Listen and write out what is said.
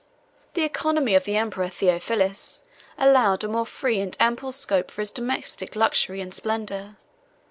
The economy of the emperor Theophilus allowed a more free and ample scope for his domestic luxury and splendor.